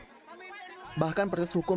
bahkan proses hukum pengadilan negeri telah dihukum